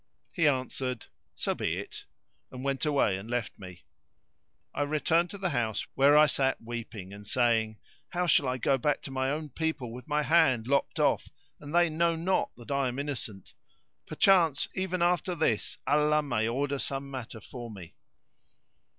He answered, "So be it." and went away and left me. I returned to the house where I sat weeping and saying, How shall I go back to my own people with my hand lopped off and they know not that I am innocent? Perchance even after this Allah may order some matter for me."